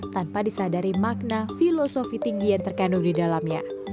tanpa disadari makna filosofi tinggi yang terkandung di dalamnya